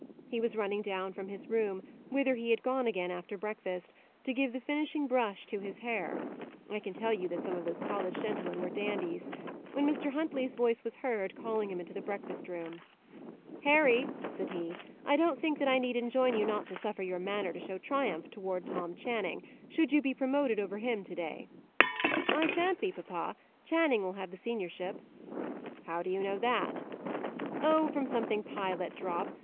He was running down from his room, whither he had gone again after breakfast, to give the finishing brush to his hair (I can tell you that some of those college gentlemen were dandies), when Mr. Huntley's voice was heard, calling him into the breakfast room. "Harry," said he, "I don't think that I need enjoin you not to suffer your manner to show triumph towards Tom Channing, should you be promoted over him to day." "I shan't be, papa. Channing will have the seniorship." "How do you know that?" "Oh, from something Pye let drop.